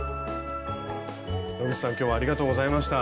野口さん今日はありがとうございました。